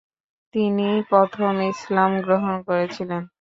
তিনি প্রথম ইসলামগ্রহণ করেছিলেন।